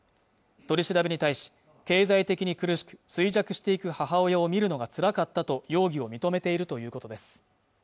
取り調べに対し経済的に苦しく衰弱していく母親を見るのがつらかったと容疑を認めているということです